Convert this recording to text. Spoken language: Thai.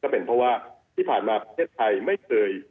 เป็นเพราะว่าที่ผ่านมาประเทศไทยไม่เคย